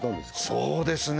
そうですね